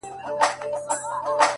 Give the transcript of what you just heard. له دې جهانه بېل وي،